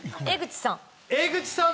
江口さん。